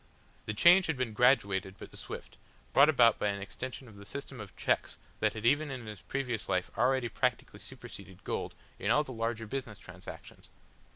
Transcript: The change had been graduated but swift, brought about by an extension of the system of cheques that had even in his previous life already practically superseded gold in all the larger business transactions.